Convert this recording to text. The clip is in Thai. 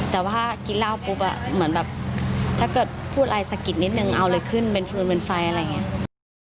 แต่ว่ากินเหล้าปุ๊บเหมือนแบบถ้าเกิดพูดอะไรสะกิดนิดนึงเอาเลยขึ้นเป็นฟืนเป็นไฟอะไรอย่างนี้